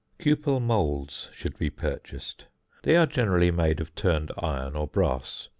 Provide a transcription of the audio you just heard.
Cupel moulds should be purchased. They are generally made of turned iron or brass.